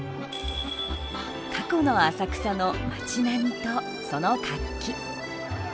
過去の浅草の町並みと、その活気。